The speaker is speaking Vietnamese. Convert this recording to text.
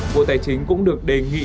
bộ tài chính cũng được đề nghị